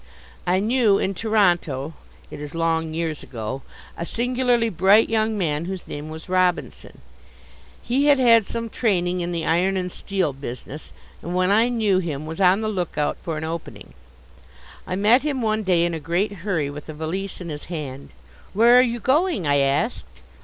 I knew, in Toronto it is long years ago a singularly bright young man whose name was Robinson. He had had some training in the iron and steel business, and when I knew him was on the look out for an opening. I met him one day in a great hurry, with a valise in his hand. "Where are you going?" I asked.